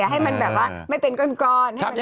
ให้มันแบบว่าไม่เป็นก้อน